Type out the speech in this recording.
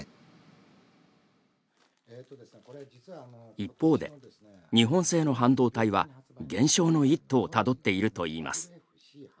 一方で、日本製の半導体は減少の一途をたどっているといいます。